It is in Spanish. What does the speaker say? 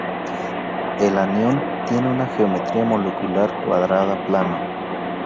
El anión tiene una geometría molecular cuadrada plana.